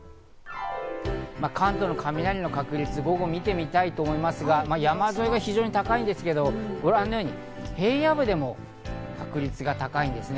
関東の雷の確率、午後を見てみたいと思いますが、山沿いが非常に高いんですけど、ご覧のように平野部でも確率が高いんですね。